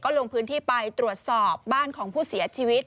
ลงพื้นที่ไปตรวจสอบบ้านของผู้เสียชีวิต